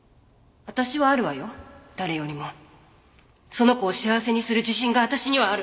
その子を幸せにする自信が私にはある。